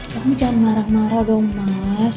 kamu jangan marah marah dong mas